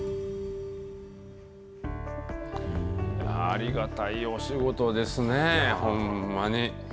ありがたいお仕事ですね、ほんまに。